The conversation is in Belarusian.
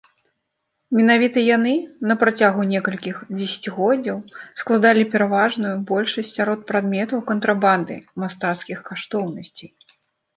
Менавіта яны на працягу некалькіх дзесяцігоддзяў складалі пераважную большасць сярод прадметаў кантрабанды мастацкіх каштоўнасцей.